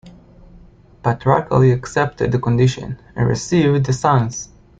Patrakali accepted the condition, and received the sons.